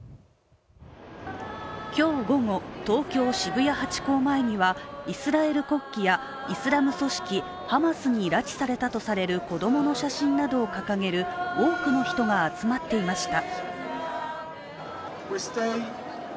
今日午後、東京・渋谷ハチ公前にはイスラエル国旗やイスラム組織ハマスに拉致されたとされる子供の写真などを掲げる多くの人が集まっていました。